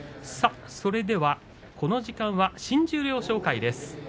それではこの時間は新十両紹介です。